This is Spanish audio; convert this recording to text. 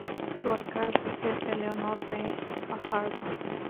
Su alcalde es Eleonor B. Fajardo.